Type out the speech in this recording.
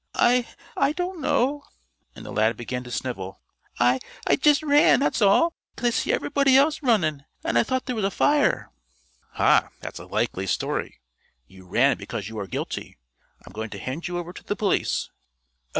"I I don't know," and the lad began to snivel. "I I jest ran that's all 'cause I see everybody else runnin', an' I thought there was a fire." "Ha! That's a likely story! You ran because you are guilty! I'm going to hand you over to the police."